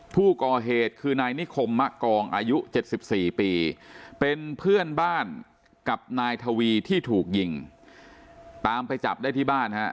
เป็นเพื่อนบ้านกับนายทวีที่ถูกยิงตามไปจับได้ที่บ้านฮะ